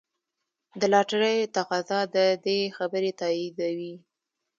د لاټرۍ تقاضا د دې خبرې تاییدوي.